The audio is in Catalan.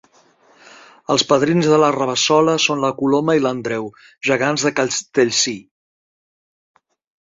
Els padrins de la Rabassola són la Coloma i l'Andreu, gegants de Castellcir.